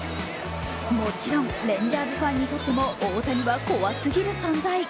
もちろんレンジャーズファンにとっても大谷は怖すぎる存在。